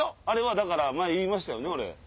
だから前言いましたよね俺。